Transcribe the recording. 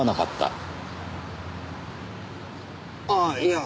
ああいや。